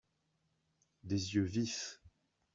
des yeux vifs.